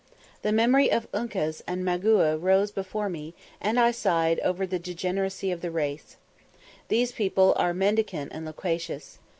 The memory of Uncas and Magua rose before me, and I sighed over the degeneracy of the race. These people are mendicant and loquacious.